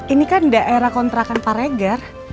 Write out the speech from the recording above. ini kan daerah kontrakan pak regar